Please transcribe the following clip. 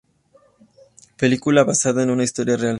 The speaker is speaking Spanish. Película basada en una historia real.